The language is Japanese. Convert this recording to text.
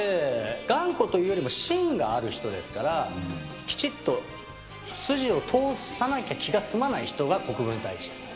頑固というよりもしんがある人ですから、きちっと、筋を通さなきゃ気が済まない人が国分太一です。